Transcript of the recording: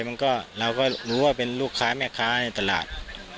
มันก็เราก็รู้ว่าเป็นลูกค้าแม่ค้าในตลาด